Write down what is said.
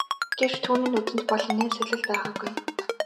Гэвч түүний нүдэнд бол инээмсэглэл байгаагүй.